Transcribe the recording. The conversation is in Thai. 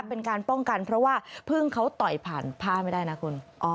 เป็นการป้องกันเพราะว่าพึ่งเขาต่อยผ่านผ้าไม่ได้นะคุณ